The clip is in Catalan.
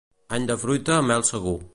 Any de fruita, mel segur.